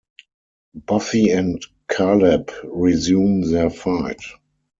Buffy and Caleb resume their fight.